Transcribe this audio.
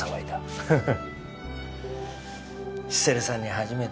ハハハ！